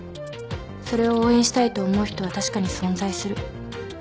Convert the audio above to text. それを応援したいと思う人は確かに存在する。